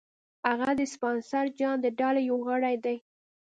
هغه د سپنسر جان د ډلې یو غړی دی